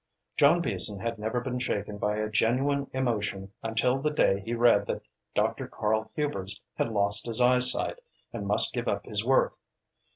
John Beason had never been shaken by a genuine emotion until the day he read that Dr. Karl Hubers had lost his eyesight and must give up his work.